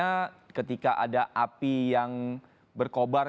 karena ketika ada api yang berkobar